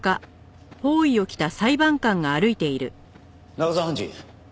中澤判事。